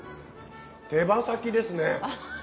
手羽先ですね。